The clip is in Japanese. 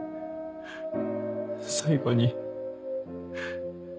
最後に。